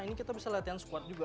ini kita bisa latihan squad juga